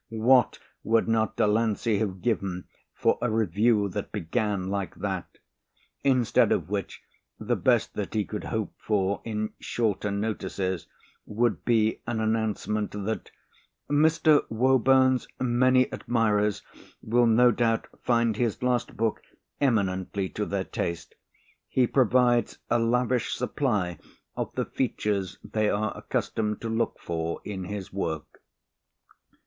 What would not Delancey have given for a review that began like that! Instead of which the best that he could hope for in "shorter notices" would be an announcement that "Mr. Woburn's many admirers will no doubt find his last book eminently to their taste. He provides a lavish supply of the features they are accustomed to look for in his work."